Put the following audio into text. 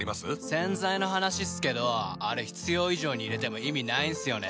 洗剤の話っすけどあれ必要以上に入れても意味ないんすよね。